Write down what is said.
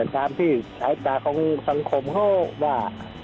ตามที่สถานการณ์ของสังคมเขาว่า